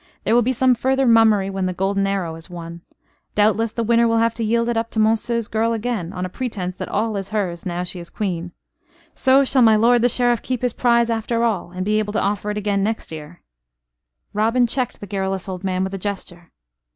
There will be some further mummery when the golden arrow is won. Doubtless, the winner will have to yield it up to Monceux's girl again, on a pretence that all is hers, now she is Queen. So shall my lord the Sheriff keep his prize after all; and be able to offer it again next year " Robin checked the garrulous old man with a gesture.